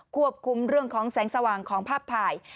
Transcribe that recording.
ควบคุมเรื่องของแสงสว่างของภาพถ่าย